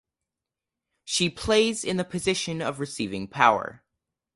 She plays in the position of receiving power.